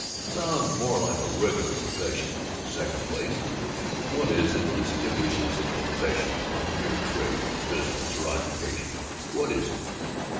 Sounds more like a reg'lar profession. Second place What is it distinguishes a profession from a mere trade, business, or occupation? What is it?